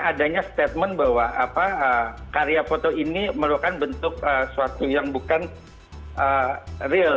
adanya statement bahwa karya foto ini merupakan bentuk sesuatu yang bukan real